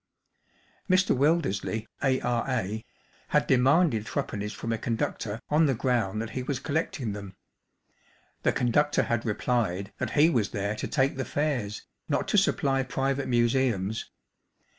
Mr. Wildersley, A.R.A., had demanded three pennies from a conductor on the ground that he was collecting them. The conductor had replied that he was there to take the fares', not to supply private museums.